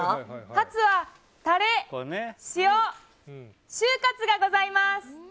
ハツはタレ、塩就活がございます。